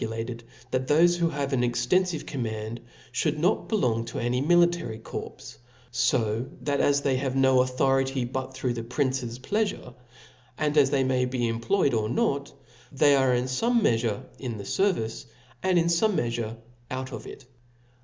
lated, that thofe who have an extenfivecoramand^ fliould not belong to any military corps ; fo that as they have no authority but through the prince's pleafure, and as they may be employed or not, they arc in fome meafure in the fervice, and in fome meafure out of it.